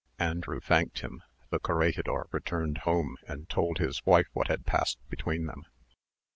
Andrew thanked him; the corregidor returned home, and told his wife what had passed between them.